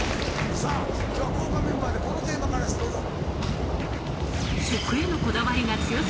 さぁ今日は豪華メンバーでこのテーマからですどうぞ。